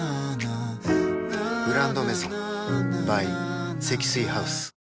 「グランドメゾン」ｂｙ 積水ハウス